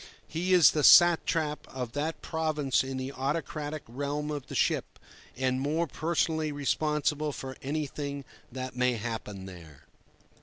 He is the satrap of that province in the autocratic realm of the ship, and more personally responsible for anything that may happen there.